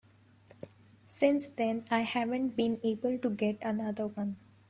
Since then I haven't been able to get another one.